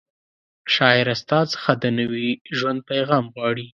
شاعره ستا څخه د نوي ژوند پیغام غواړي